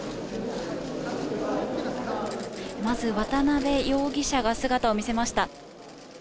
まず、渡辺容疑者が姿を見せました。